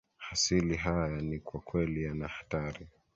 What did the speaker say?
hasili haya ni kwa kweli yanahatari